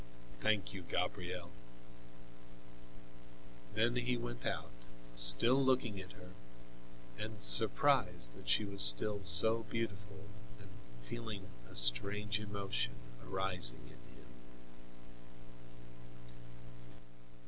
Thank you, Gabrielle." Then he went out, still looking at her, and surprised that she was still so beautiful and feeling a strange emotion arising in him.